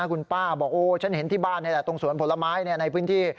คุณป้าบอกโอ้ฉันเห็นที่บ้านนี่แหละตรงสวนผลไม้ในพื้นที่